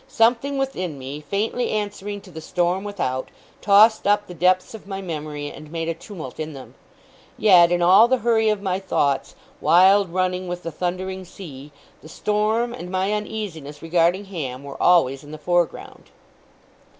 Something within me, faintly answering to the storm without, tossed up the depths of my memory and made a tumult in them. Yet, in all the hurry of my thoughts, wild running with the thundering sea, the storm, and my uneasiness regarding Ham were always in the fore ground.